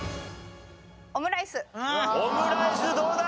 オムライスどうだ？